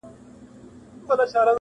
انتقام اخیستل نه بخښل یې شرط دی,